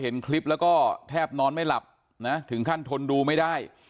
เห็นคลิปแล้วก็แทบนอนไม่หลับนะถึงขั้นทนดูไม่ได้